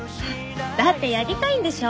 だってやりたいんでしょ？